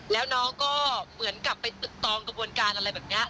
แล้วน้องก็เหมือนกับไปตึกตองกระบวนการอะไรแบบนี้